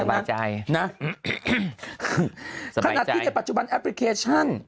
สบายใจสบายใจนะขณะที่ในปัจจุบันแอปพลิเคชัน